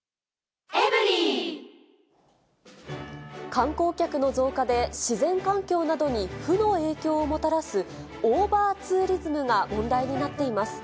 観光客の増加で、自然環境などに負の影響をもたらす、オーバーツーリズムが問題になっています。